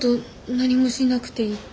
何もしなくていいって。